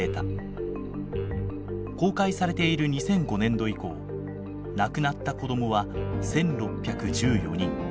公開されている２００５年度以降亡くなった子どもは１，６１４人。